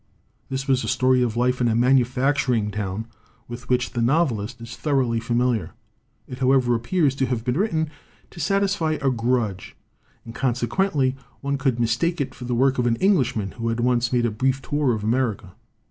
This was a story of life in a manufacturing town with which the novelist is thoroughly familiar. It, however, appears to have been written to satisfy a grudge and consequently one could mistake it for the work of an English man who had once made a brief tour of America.